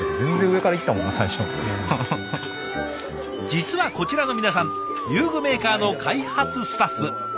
実はこちらの皆さん遊具メーカーの開発スタッフ。